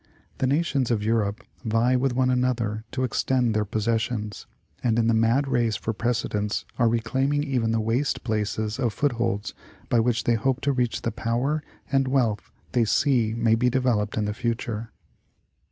The nations of Europe vie with one an other to extend their possessions, and in the mad race for prece dence are reclaiming even the waste places as footholds by which they hope to reach the pov/er and wealth they see may be devel oped in the future.